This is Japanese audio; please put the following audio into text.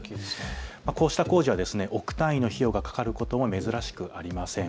こうした工事は億単位の費用がかかることも珍しくありません。